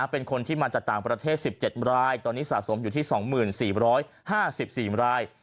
เป็นคนที่มาจากต่างประเทศ๑๗รายตอนนี้สะสมอยู่ที่๒๔๕๔ราย